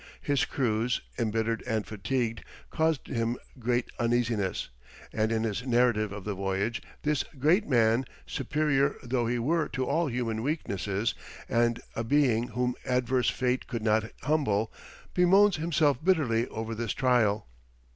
His crews, embittered and fatigued, caused him great uneasiness, and in his narrative of the voyage, this great man, superior though he were to all human weaknesses, and a being whom adverse fate could not humble, bemoans himself bitterly over this trial.